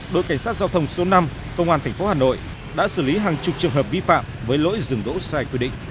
đội cảnh sát giao thông số năm công an tp hà nội đã xử lý hàng chục trường hợp vi phạm với lỗi dừng đỗ sai quy định